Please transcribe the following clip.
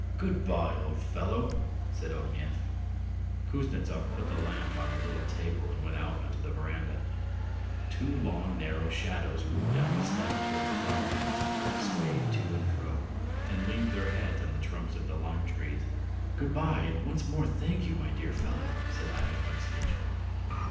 "Good bye, old fellow!" said Ognev. Kuznetsov put the lamp on a little table and went out to the verandah. Two long narrow shadows moved down the steps towards the flower beds, swayed to and fro, and leaned their heads on the trunks of the lime trees. "Good bye and once more thank you, my dear fellow!" said Ivan Alexeyitch.